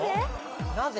なぜ？